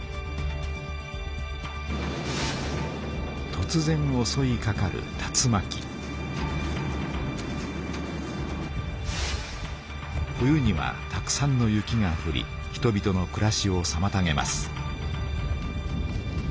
とつぜんおそいかかる冬にはたくさんの雪がふり人々のくらしをさまたげます。